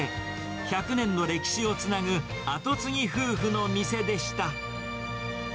１００年の歴史をつなぐ、後継ぎ夫婦の店でした。